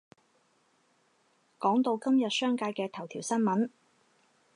講到今日商界嘅頭條新聞